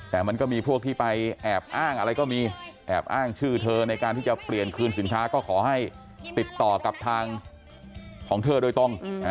แต่มันก็มีพวกที่ไปแอบอ้างอะไรก็มีแอบอ้างชื่อเธอในการที่จะเปลี่ยนคืนสินค้าก็ขอให้ติดต่อกับทางของเธอโดยตรง